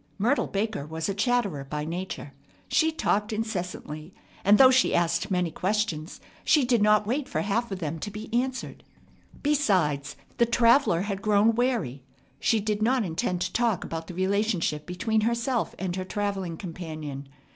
Myrtle Baker was a chatterer by nature. She talked incessantly; and, though she asked many questions, she did not wait for half of them to be answered. Besides, the traveller had grown wary. She did not intend to talk about the relationship between herself and her travelling companion.